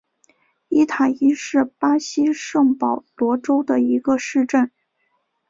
伊塔伊是巴西圣保罗州的一个市镇。